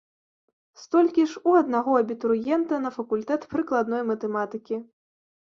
Столькі ж у аднаго абітурыента на факультэт прыкладной матэматыкі.